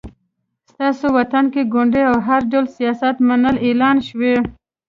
ستاسې وطن کې ګوندي او هر ډول سیاست منع اعلان شوی